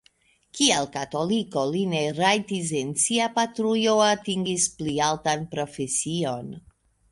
Kiel katoliko li ne rajtis en sia patrujo atingi pli altan profesion.